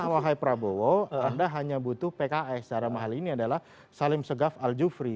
wahai prabowo anda hanya butuh pks secara mahal ini adalah salim segaf al jufri